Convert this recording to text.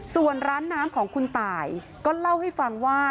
ส่วนร้านน้ำของคุณตายก็เล่าให้ฟังว่า